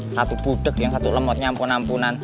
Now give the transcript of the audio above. satu budeg yang satu lemot nyampun ampunan